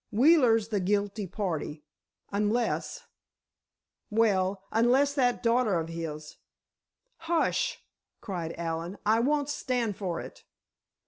Wheeler's the guilty party—unless—well, unless that daughter of his——" "Hush!" cried Allen. "I won't stand for it!"